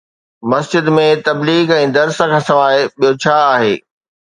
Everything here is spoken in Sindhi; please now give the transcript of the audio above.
مسجد ۾ تبليغ ۽ درس کان سواءِ ٻيو ڇا آهي؟